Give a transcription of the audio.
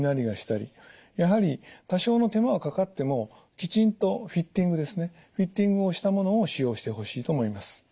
やはり多少の手間はかかってもきちんとフィッティングですねフィッティングをしたものを使用してほしいと思います。